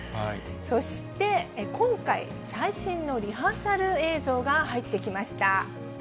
そして、今回、最新のリハーサル映像が入ってきました。